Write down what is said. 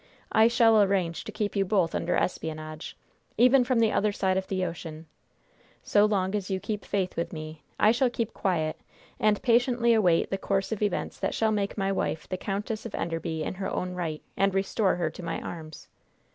I shall arrange to keep you both under espionage, even from the other side of the ocean. So long as you shall keep faith with me, I shall keep quiet, and patiently await the course of events that shall make my wife the countess of Enderby in her own right, and restore her to my arms.